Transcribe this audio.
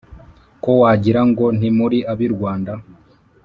ko wagira ngo ntimuri abirwanda